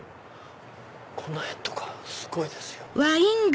この辺とかすごいですよ。